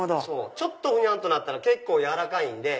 ちょっとふにゃんとなったら結構軟らかいんで。